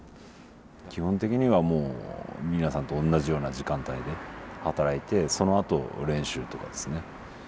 基本的にはもう皆さんとおんなじような時間帯で働いてそのあと練習とかですね。